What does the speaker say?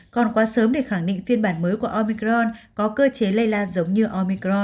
còn quá sớm để khẳng định phiên bản mới của omicron có cơ chế lây lan giống như omicron